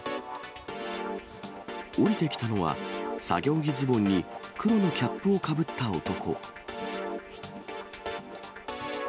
降りてきたのは、作業着ズボンに黒のキャップをかぶった男。